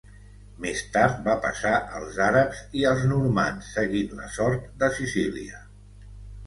Més tard va passar als àrabs i als normands seguint la sort de Sicília.